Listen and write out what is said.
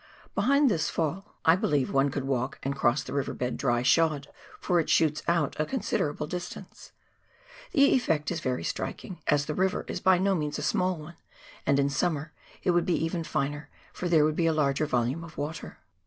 Behind this £all, I believe one COOK RIVER AND ANCIENT GLACIERS. 143 could walk and cross the river dry shod, for it shoots out a considerable distance. The effect is very striking, as the river is by no means a small one, and in summer it would be even finer, for there woidd be a larger volume of water.